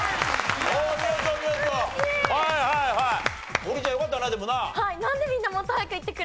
王林ちゃんよかったなでもな。